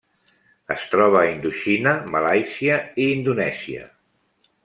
Es troba a Indoxina, Malàisia i Indonèsia.